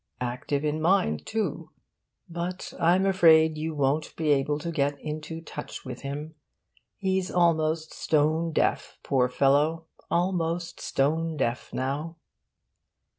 Active in mind, too. But I'm afraid you won't be able to get into touch with him. He's almost stone deaf, poor fellow almost stone deaf now.